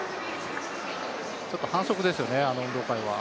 ちょっと反則ですよね、あの運動会は。